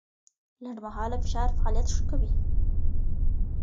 لنډمهاله فشار فعالیت ښه کوي.